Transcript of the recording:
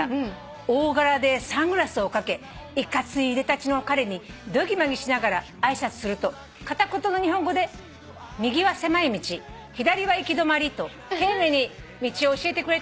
「大柄でサングラスをかけいかついいでたちの彼にどぎまぎしながら挨拶すると片言の日本語で右は狭い道左は行き止まりと丁寧に道を教えてくれたのです」